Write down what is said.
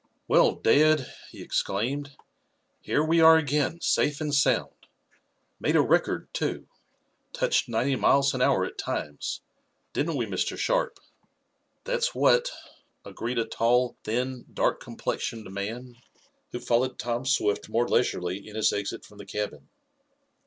"Well, dad!" he exclaimed. "Here we are again, safe and sound. Made a record, too. Touched ninety miles an hour at times didn't we, Mr. Sharp?" "That's what," agreed a tall, thin, dark complexioned man, who followed Tom Swift more leisurely in his exit from the cabin.